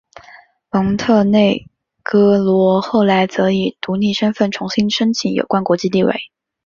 蒙特内哥罗后来则以独立身份重新申请有关国际地位。